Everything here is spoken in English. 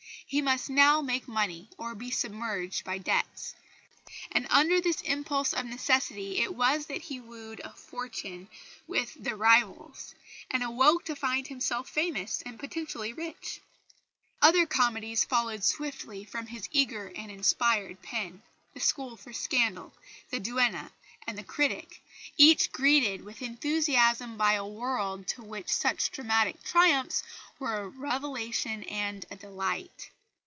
He must now make money or be submerged by debts; and under this impulse of necessity it was that he wooed fortune with The Rivals, and awoke to find himself famous and potentially rich. Other comedies followed swiftly from his eager and inspired pen The School for Scandal, The Duenna, and The Critic each greeted with enthusiasm by a world to which such dramatic triumphs were a revelation and a delight.